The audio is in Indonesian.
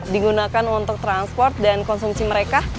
digunakan untuk transport dan konsumsi mereka